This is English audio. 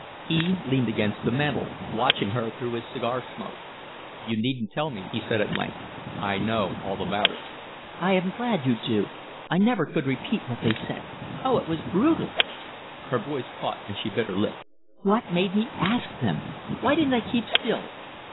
He leaned against the mantel, watching her through his cigar smoke. "You needn't tell me," he said, at length. "I know all about it." "I am glad you do. I never could repeat what they said. Oh, it was brutal!" Her voice caught and she bit her lip. "What made me ask them? Why didn't I keep still?